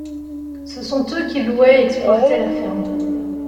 Ce sont eux qui louaient et exploitaient la ferme.